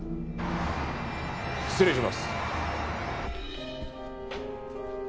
失礼します。